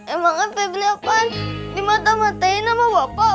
emangnya febri akan dimata matain sama bapak